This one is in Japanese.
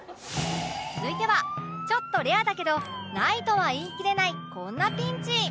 続いてはちょっとレアだけどないとは言いきれないこんなピンチ